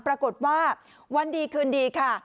ปรากฏว่าวันดีคืนดีค่ะ